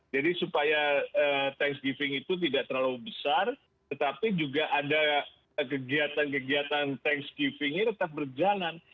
jadi supaya thanksgiving itu tidak terlalu besar tetapi juga ada kegiatan kegiatan thanksgiving ini tetap berjalan